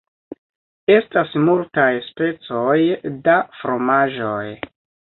Estas multaj specoj da fromaĝoj.